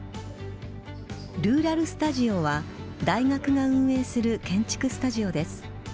ルーラル・スタジオは大学が運営する建築スタジオです。